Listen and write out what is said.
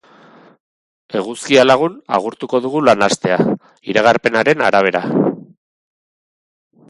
Eguzkia lagun agurtuko dugu lan astea, iragarpenaren arabera.